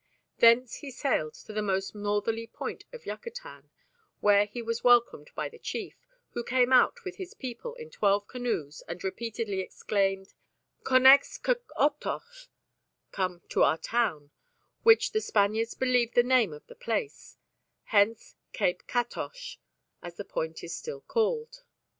Thence he sailed to the most northerly point of Yucatan, where he was welcomed by the chief, who came out with his people in twelve canoes and repeatedly exclaimed, "Connex c otoch" ("Come to our Town"), which the Spaniards believed the name of the place: hence Cape Catoche, as the point is still called.